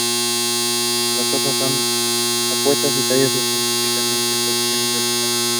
Las hojas son opuestas y los tallos están típicamente en posición vertical.